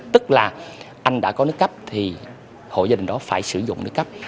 tức là anh đã có nước cấp thì hộ gia đình đó phải sử dụng nước cấp